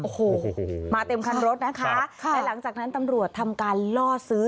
โอ้โหมาเต็มคันรถนะคะและหลังจากนั้นตำรวจทำการล่อซื้อ